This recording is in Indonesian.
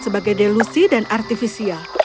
sebagai delusi dan artifisial